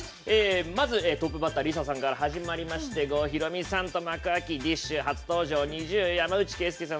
まず、トップバッターＬｉＳＡさんから始まりまして郷ひろみさんで幕開き、ＤＩＳＨ／／の皆さん